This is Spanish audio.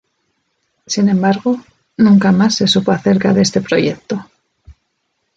Sin embargo, nunca más se supo acerca de este proyecto.